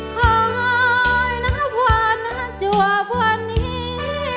ขอให้นับวันนะจวบวันนี้